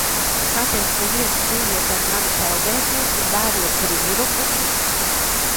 Kāpēc neviens neiet ar mani peldēties un vērot bruņurupučus?